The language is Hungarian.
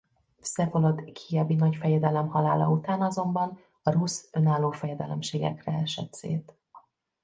Vszevolod kijevi nagyfejedelem halála után azonban a Rusz önálló fejedelemségekre esett szét.